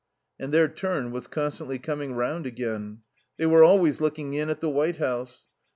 And their turn was constantly coming round again; they were always looking in at the White House.